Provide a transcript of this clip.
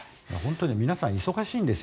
皆さん忙しいんですよ。